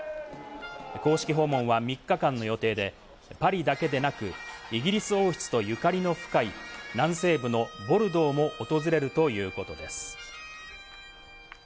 公式訪問は３日間の予定で、パリだけでなく、イギリス王室とゆかりの深い、南西部のボルドーも訪れるということです。